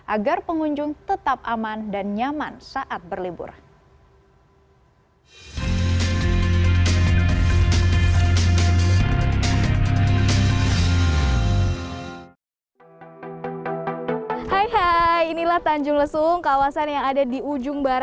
agar pengunjung tetap aman dan nyaman saat berlibur